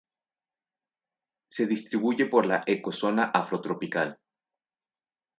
Se distribuye por la ecozona afrotropical.